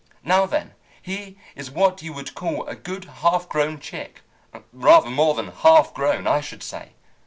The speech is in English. Now, then, he is what you would call a good half grown chick. Rather more than half grown, I should say.